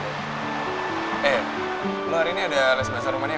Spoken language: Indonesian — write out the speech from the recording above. eh lo hari ini ada les bahasa romanya gak